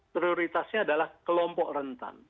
prioritasnya adalah kelompok rentan